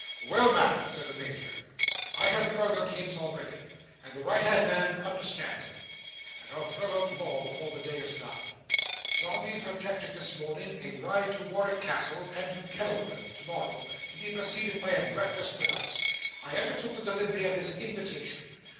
"Well, Ma'am," said the Major. "I have thrown out hints already, and the right hand man understands 'em; and I'll throw out more, before the day is done. Dombey projected this morning a ride to Warwick Castle, and to Kenilworth, to morrow, to be preceded by a breakfast with us. I undertook the delivery of this invitation.